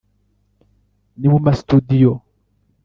ni mu ma studio